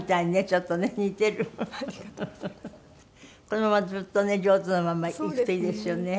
このままずっとね上手なまんまいくといいですよね。